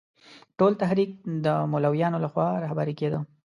ټول تحریک د مولویانو له خوا رهبري کېده.